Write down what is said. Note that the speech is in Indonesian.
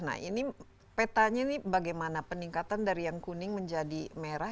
nah ini petanya ini bagaimana peningkatan dari yang kuning menjadi merah